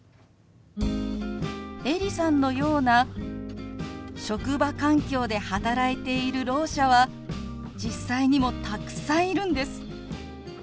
エリさんのような職場環境で働いているろう者は実際にもたくさんいるんです。